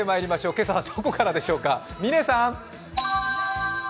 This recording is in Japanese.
今朝はどこからでしょうか。